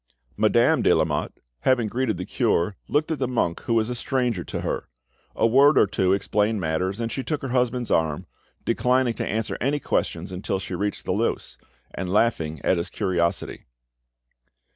Madame de Lamotte, having greeted the cure, looked at the monk, who was a stranger to her. A word or two explained matters, and she took her husband's arm, declining to answer any questions until she reached the louse, and laughing at his curiosity.